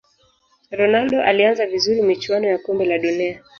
ronaldo alianza vizuri michuano ya kombe la dunia